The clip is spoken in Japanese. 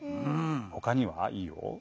ほかには？いいよ。